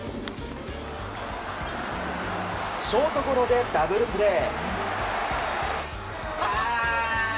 ショートゴロでダブルプレー。